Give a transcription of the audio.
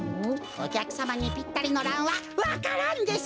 おきゃくさまにぴったりのランはわか蘭です！